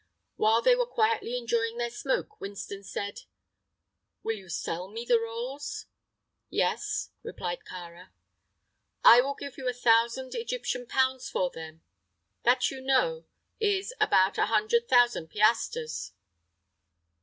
While they were quietly enjoying their smoke Winston said: "Will you sell me the rolls?" "Yes," replied Kāra. "I will give you a thousand Egyptian pounds for them. That, you know, is about a hundred thousand piastres."